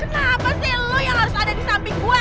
kenapa sih lo yang harus ada di samping gue